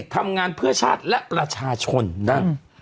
ทำงานเพื่อชาติและประชาชนนะ